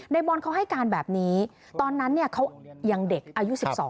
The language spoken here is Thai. บอลเขาให้การแบบนี้ตอนนั้นเขายังเด็กอายุ๑๒